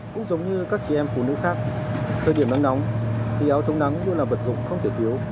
cũng giống như các chị em phụ nữ khác thời điểm nắng nóng thì áo chống nắng như là vật dụng không thể thiếu